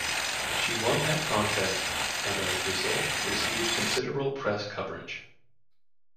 She won that contest and as a result received considerable press coverage.